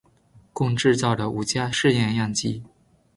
共制造了五架试验样机。